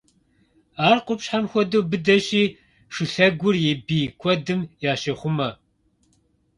Ар къупщхьэм хуэдэу быдэщи, шылъэгур и бий куэдым ящехъумэ.